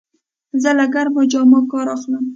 زه له ګرمو جامو کار اخلم.